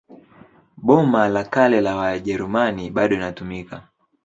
Boma la Kale la Wajerumani bado inatumika.